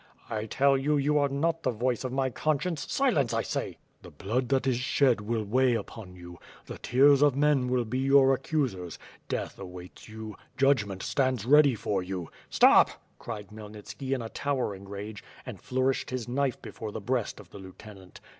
"I tell you you are not the voice of my conscience, silence I say." "The blood that is shed will weigh upon you; the tears of men will be your accusers; death awaits you; judgment stands ready for you!" "Stop!" cried Khmyenitvski in a towering rage, and flour ished his knife before the ])reast of the lieutenant.